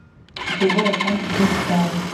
mfite ubwoba kandi bwinshi cyane